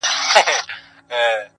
راته مه راکوه زېری د ګلونو د ګېډیو،